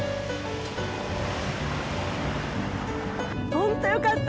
本当よかった！